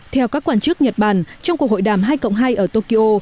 theo các quan chức nhật bản trong cuộc hội đàm hai cộng hai ở tokyo